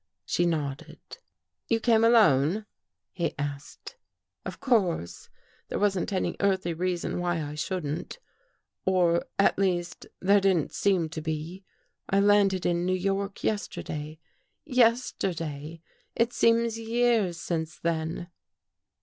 She nodded. "You came alone?" he asked. " Of course. There wasn't any earthly reason 300 THE WATCHERS AND THE WATCHED why I shouldn't — or at least, there didn't seem to be. I landed in New York yesterday. Yesterday! It seems years since then."